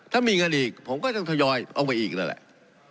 ถ้ามีเงินอีกผมก็จะถยอยออกไปอีกแล้วแหละ